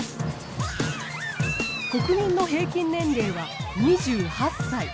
国民の平均年齢は２８歳。